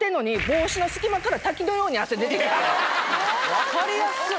分かりやすっ！